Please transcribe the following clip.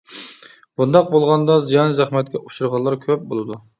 بۇنداق بولغاندا، زىيان-زەخمەتكە ئۇچرىغانلار كۆپ بولىدۇ.